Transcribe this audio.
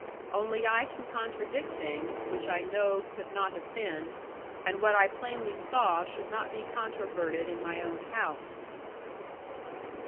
Only I can contradict things, which I know could not have been; and what I plainly saw should not be controverted in my own house.